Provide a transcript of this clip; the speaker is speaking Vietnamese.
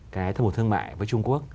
cái thông bộ thương mại với trung quốc